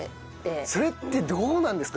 それってどうなんですか？